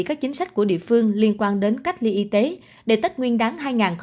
các chính sách của địa phương liên quan đến cách ly y tế để tết nguyên đáng hai nghìn hai mươi